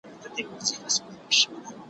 له رام رام څخه تښتېدم، پر کام کام واوښتم.